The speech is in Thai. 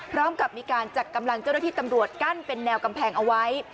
พร้อมกับมีการจัดกำลังเจ้าหน้าที่ตำรวจกั้นเป็นแนวกำแพงเอาไว้